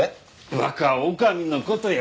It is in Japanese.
若女将の事や。